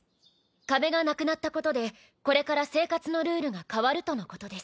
壁がなくなったことでこれから生活のルールが変わるとのことです。